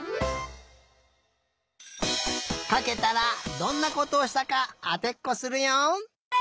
かけたらどんなことをしたかあてっこするよ。